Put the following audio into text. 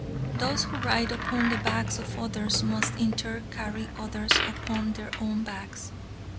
Those who ride upon the backs of others must in turn carry others upon their own backs.